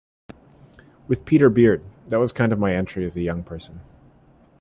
With Peter Beard, that was kind of my entry as a young person.